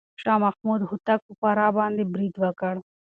شاه محمود هوتک پر فراه باندې بريد وکړ.